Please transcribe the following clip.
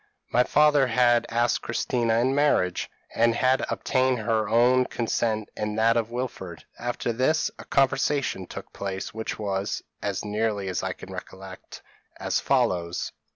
My father had asked Christina in marriage, and had obtained both her own consent and that of Wilfred; after this, a conversation took place, which was, as nearly as I can recollect, as follows.